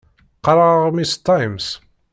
Qqaṛeɣ aɣmis "Times".